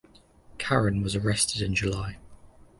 Karen was arrested in July.